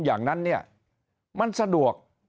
อย่างนั้นเนี่ยมันสะดวก